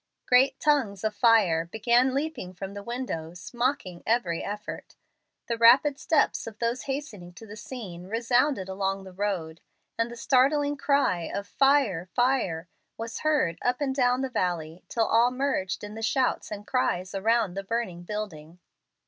Great tongues of fire began leaping from the windows, mocking every effort. The rapid steps of those hastening to the scene resounded along the road, and the startling cry of "Fire! Fire!" was heard up and down the valley till all merged in the shouts and cries around the burning building.